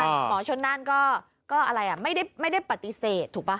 หมอชนนั่นก็อะไรไม่ได้ปฏิเสธถูกป่ะ